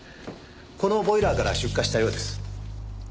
このボイラーから出火したようです。